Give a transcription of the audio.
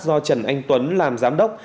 do trần anh tuấn làm giám đốc